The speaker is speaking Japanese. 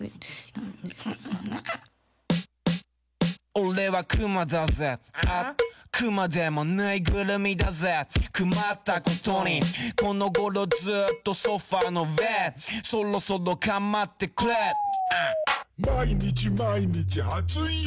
俺は熊だぜ熊でも縫いぐるみだぜくまったことにこのごろずっとソファーの上そろそろ構ってくれ毎日毎日熱いよ